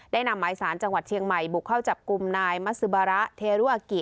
นำหมายสารจังหวัดเชียงใหม่บุกเข้าจับกลุ่มนายมัสซิบาระเทรุอากิ